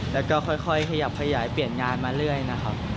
แล้วก็ค่อยขยับขยายเปลี่ยนงานมาเรื่อยนะครับ